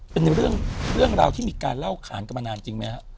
เป็นเรื่องราวที่มีการเล่าขานกันมานานจริงไหมฮะ